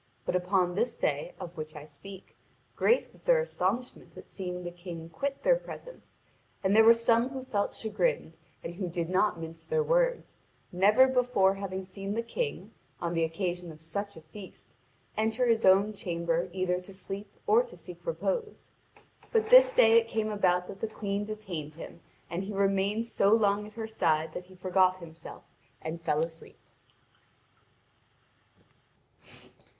But upon this day of which I speak, great was their astonishment at seeing the King quit their presence; and there were some who felt chagrined, and who did not mince their words, never before having seen the King, on the occasion of such a feast, enter his own chamber either to sleep or to seek repose. But this day it came about that the Queen detained him, and he remained so long at her side that he forgot himself and fell asleep.